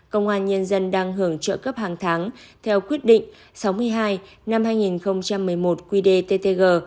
công an nhân dân đang hưởng trợ cấp hàng tháng theo quyết định sáu mươi hai năm hai nghìn một mươi một quy đề ttg